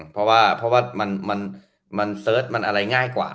เพราะว่ามันเสิร์ชมันอะไรง่ายกว่า